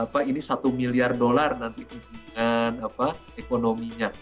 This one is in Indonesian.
pak ini satu miliar dolar nanti hubungan ekonominya